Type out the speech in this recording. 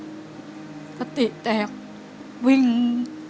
แล้วตอนนี้พี่พากลับไปในสามีออกจากโรงพยาบาลแล้วแล้วตอนนี้จะมาถ่ายรายการ